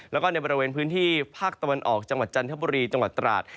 แล้วก็ในบริเวณพื้นที่ภาคตะวันออกจังหวัดจันทบุรีจังหวัดตราด